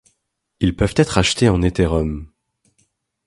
Ils peuvent être achetés en Ethereum.